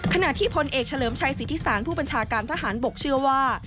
ขณะที่พลเอกเฉลิมชัยสิทธิสารผู้บัญชาการทหารบกเชื่อว่า